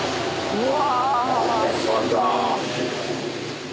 うわ。